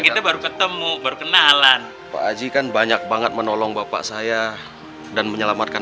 kita baru ketemu berkenalan pak aji kan banyak banget menolong bapak saya dan menyelamatkan